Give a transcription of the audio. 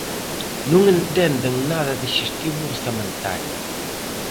Non entenden nada de xestión orzamentaria.